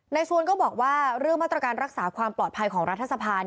ชวนก็บอกว่าเรื่องมาตรการรักษาความปลอดภัยของรัฐสภา